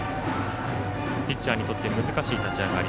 ピッチャーにとって難しい立ち上がり。